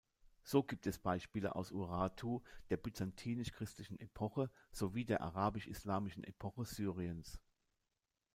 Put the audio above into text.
So gibt es Beispiele aus Urartu, der byzantinisch-christlichen Epoche sowie der arabisch-islamischen Epoche Syriens.